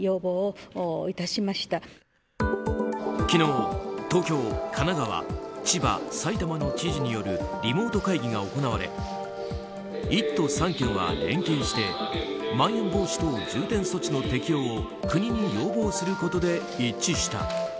昨日、東京、神奈川、千葉埼玉の知事によるリモート会議が行われ１都３県は連携してまん延防止等重点措置の適用を国に要望することで一致した。